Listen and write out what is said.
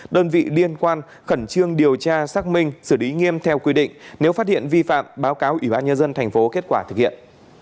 đơn vị liên quan khẩn trương điều tra xác minh xử lý nghiêm theo quy định nếu phát hiện vi phạm báo cáo ủy ban nhân dân thành phố kết quả thực hiện